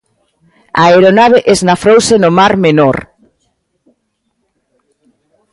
A aeronave esnafrouse no mar Menor.